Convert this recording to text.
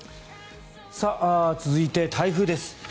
続いて、台風です。